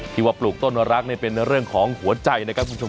คิดว่าต้นรักเป็นเรื่องของหัวใจนะครับคุณผู้ชม